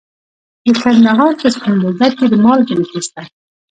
د کندهار په سپین بولدک کې د مالګې نښې شته.